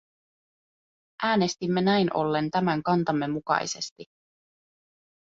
Äänestimme näin ollen tämän kantamme mukaisesti.